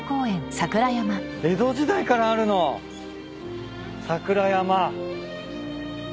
江戸時代からあるのさくら山。